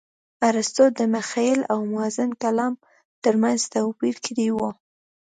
ارستو د مخيل او موزون کلام ترمنځ توپير کړى و.